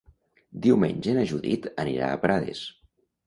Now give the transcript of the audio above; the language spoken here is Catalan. Diumenge na Judit anirà a Prades.